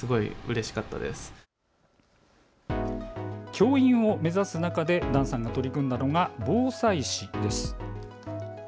教員を目指す中で段さんが取り組んだのが防災士です。